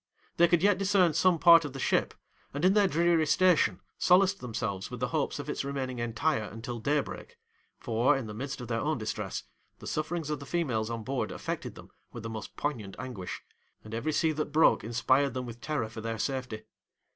They could yet discern some part of the ship, and in their dreary station solaced themselves with the hopes of its remaining entire until day break; for, in the midst of their own distress, the sufferings of the females on board affected them with the most poignant anguish; and every sea that broke inspired them with terror for their safety.